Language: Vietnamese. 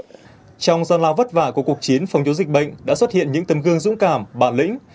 trong gian lao vất vả của cuộc chiến phòng chống dịch bệnh đã xuất hiện những tấm gương dũng cảm bản lĩnh